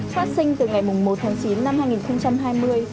phát sinh từ ngày một tháng chín năm hai nghìn hai mươi